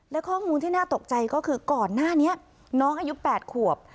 และข้อมูลที่น่าตกใจก็คือก่อนหน้านี้น้องอายุ๘ขวบ